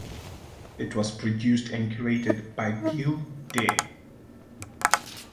It was produced and created by Bill Dare.